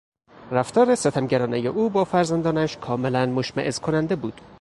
رفتار ستمگرانهی او با فرزندانش کاملا مشمئز کننده بود.